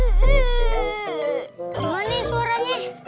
gimana nih suaranya